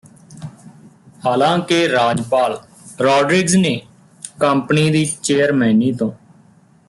ਹਾਲਾਂਕਿ ਰਾਜਪਾਲ ਰੌਡਰਿਗਜ਼ ਨੇ ਕੰਪਨੀ ਦੀ ਚੇਅਰਮੈਨੀ ਤੋਂ